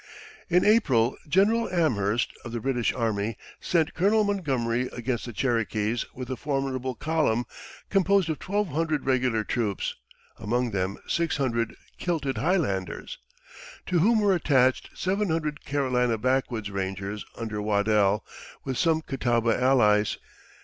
In April General Amherst, of the British Army, sent Colonel Montgomery against the Cherokees with a formidable column composed of twelve hundred regular troops among them six hundred kilted Highlanders to whom were attached seven hundred Carolina backwoods rangers under Waddell, with some Catawba allies.